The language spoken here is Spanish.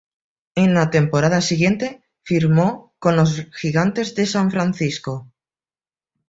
En la temporada siguiente firmó con los Gigantes de San Francisco.